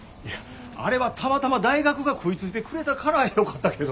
あれはたまたま大学が食いついてくれたからよかったけど。